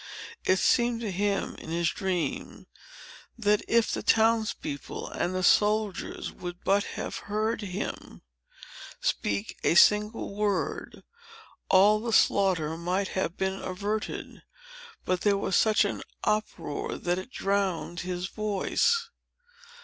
It seemed to him, in his dream, that if the town's people and the soldiers would but have heard him speak a single word, all the slaughter might have been averted. But there was such an uproar that it drowned his voice.